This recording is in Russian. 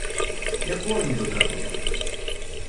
Я корни выкапываю.